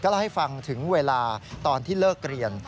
เล่าให้ฟังถึงเวลาตอนที่เลิกเรียน